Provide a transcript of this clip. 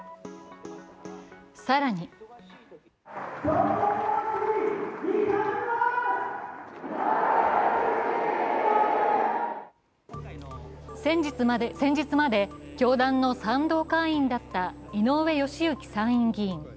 更に先日まで教団の賛同会員だった井上義行参院議員。